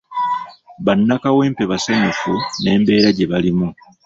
Bannakawempe basanyufu n'embeera gye balimu.